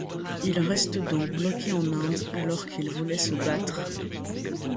Il reste donc bloqué en Inde alors qu’il voulait se battre.